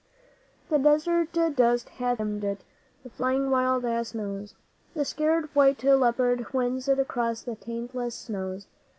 'The desert dust hath dimmed it, the flying wild ass knows, The scared white leopard winds it across the taintless snows.